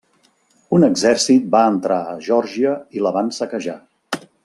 Un exèrcit va entrar a Geòrgia i la van saquejar.